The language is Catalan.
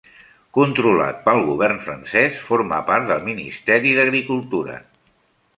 Controlat pel govern francès, forma part del Ministeri d'Agricultura.